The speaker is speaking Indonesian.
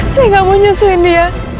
saya nggak mau nyusuin dia